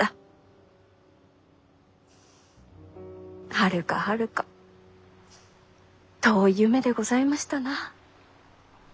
はるかはるか遠い夢でございましたなあ。